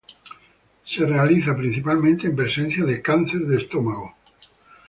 Se realiza principalmente en presencia de cáncer de estómago.